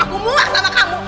aku buang sama kamu